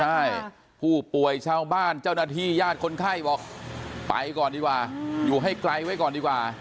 ใช่ผู้ป่วยชาวบ้านเจ้าหน้าที่ญาติคนไข้บอกไปก่อนดีกว่าอยู่ให้ไกลไว้ก่อนดีกว่า